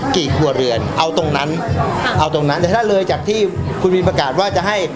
กี่ครัวเรือนเอาตรงนั้นเอาตรงนั้นแต่ถ้าเลยจากที่คุณวินประกาศว่าจะให้